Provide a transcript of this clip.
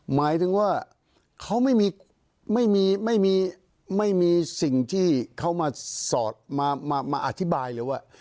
หมายถึงว่าเขาไม่มีสิ่งที่เขามาอธิบายเลยว่า